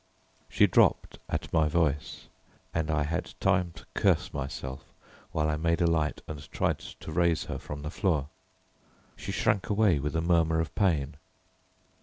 She dropped at my voice, and, I had time to curse myself while I made a light and tried to raise her from the floor. She shrank away with a murmur of pain.